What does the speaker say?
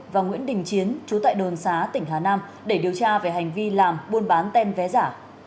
và nguyễn đình chiến chú tại đường xá tỉnh hà nam để điều tra về hành vi làm buôn bán tem vé giả